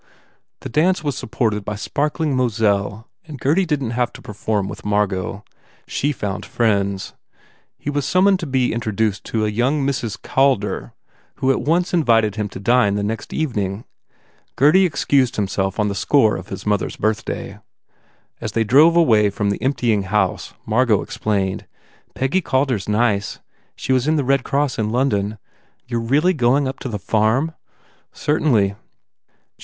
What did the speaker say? The dance was supported by sparkling Moselle and Gurdy didn t have to perform with Margot. She found friends. He was summoned to be in troduced to a young Mrs. Calder who at once in vited him to dine the next evening. Gurdy ex cused himself on the score of his mother s birth day. As they drove away from the emptying house Margot explained, "Peggy Calder s nice. She was in the Red Cross in London. You re really going up to the farm? "Certainly."